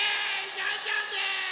ジャンジャンです！